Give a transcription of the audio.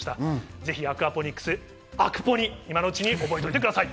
ぜひアクアポニックス、アクポニ、今のうちに覚えておいてください。